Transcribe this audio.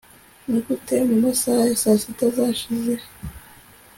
Nigute mumasaha ya saa sita zashize